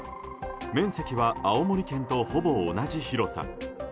面積は青森県とほぼ同じ広さ。